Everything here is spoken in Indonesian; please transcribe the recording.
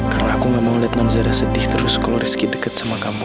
karena aku gak mau liat namzara sedih terus kalo rizki deket sama kamu